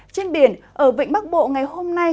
trên biển ở vịnh bắc bộ ngày hôm nay